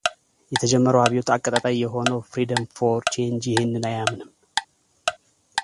የተጀመረው አብዮት አቀጣጣይ የሆነው ፍሪደም ፎር ቼንጅ ይሄንን አያምንም።